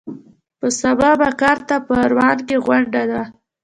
په سبا په کارته پروان کې غونډه وه.